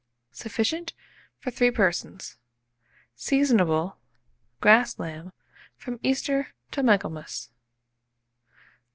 Sufficient for 3 persons. Seasonable, grass lamb, from Easter to Michaelmas.